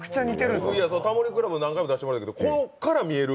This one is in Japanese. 「タモリ倶楽部」何回も出してもらってるけど、ここから見える